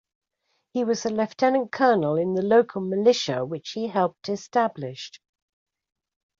He was a lieutenant colonel in the local militia which he helped establish.